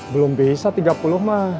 belum bisa tiga puluh mah